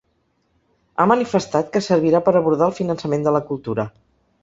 Ha manifestat que servirà per abordar el finançament de la cultura.